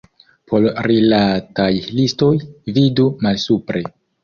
Por rilataj listoj, vidu malsupre.